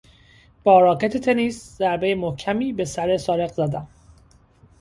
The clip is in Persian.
با راکت تنیس ضربهی محکمی به سر سارق زدم.